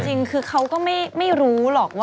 จริงคือเขาก็ไม่รู้หรอกว่า